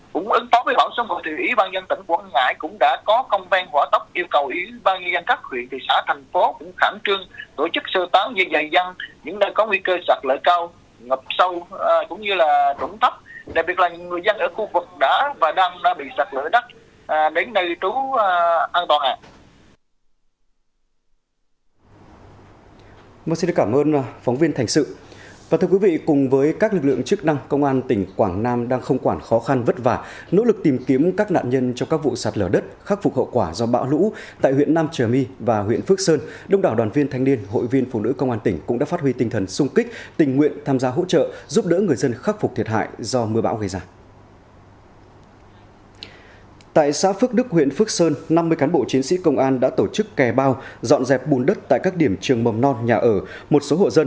cũng ứng phó với bão số một mươi thì ủy ban dân tỉnh quảng ngãi cũng đã có công ven hỏa tốc yêu cầu ủy ban dân các huyện thị xã thành phố khảm trương tổ chức sơ tán dân dài dân những nơi có nguy cơ sạt lỡ cao ngập sâu cũng như là rủng thấp